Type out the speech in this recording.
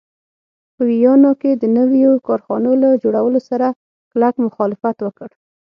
په ویانا کې د نویو کارخانو له جوړولو سره کلک مخالفت وکړ.